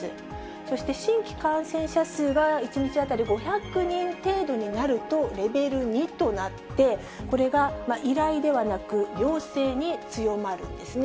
そして、新規感染者数が１日当たり５００人程度になるとレベル２となって、これが依頼ではなく、要請に強まるんですね。